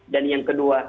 dan yang kedua